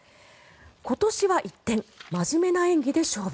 今年は一転真面目な演技で勝負。